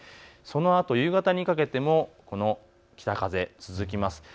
そのあと夕方にかけても北風が続きます。